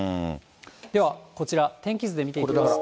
ではこちら、天気図で見ていきますと。